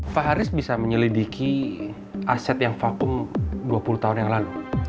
fah haris bisa menyelidiki aset yang vakum dua puluh tahun yang lalu